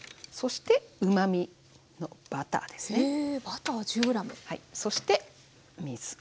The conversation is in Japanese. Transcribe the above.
そしてうまみのバターですね。